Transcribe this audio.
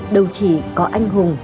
đâu chỉ có anh hùng